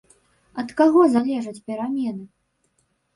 Ад каго залежаць перамены?